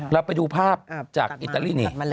เราไปดูภาพจากอิตาลีนี่